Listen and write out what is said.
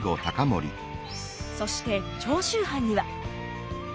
そして長州藩には。